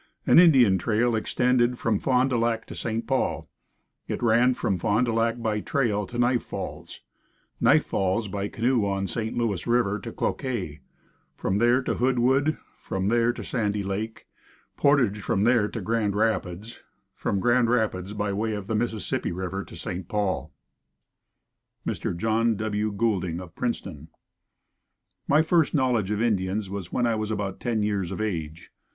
An Indian trail extended from Fond du Lac to St. Paul. It ran from Fond du Lac by trail to Knife Falls, Knife Falls by canoe on St. Louis river to Cloquet, from there to Hoodwood, from there to Sandy Lake, portage from there to Grand Rapids, from Grand Rapids by way of the Mississippi river to St. Paul. Mr. John W. Goulding of Princeton. My first knowledge of Indians was when I was about ten years of age.